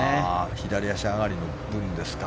左足上がりの分ですか。